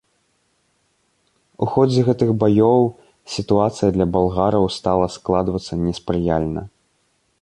У ходзе гэтых баёў сітуацыя для балгараў стала складвацца неспрыяльна.